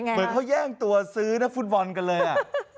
เหมือนเขาแย่งตัวซื้อนักฟุตบอลกันเลย